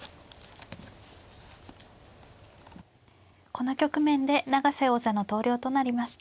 この局面で永瀬王座の投了となりました。